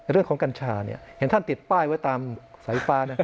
เรื่องของกัญชาเห็นท่านติดป้ายไว้ตามสายปลา